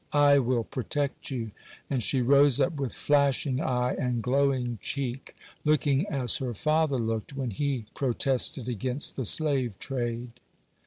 I will protect you.' And she rose up with flashing eye and glowing cheek, looking as her father looked when he protested against the slave trade.